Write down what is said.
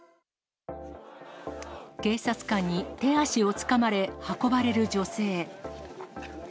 警察官に手足をつかまれ、運ばれる女性。